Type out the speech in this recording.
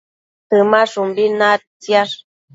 Temashumbi naidtsiash